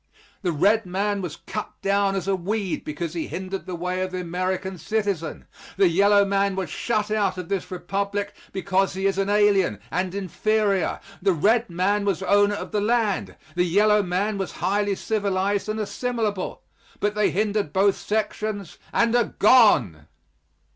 The red man was cut down as a weed because he hindered the way of the American citizen. The yellow man was shut out of this Republic because he is an alien, and inferior. The red man was owner of the land the yellow man was highly civilized and assimilable but they hindered both sections and are gone!